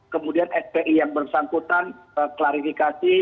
kemudian fpi yang bersangkutan klarifikasi